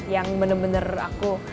yang bener bener aku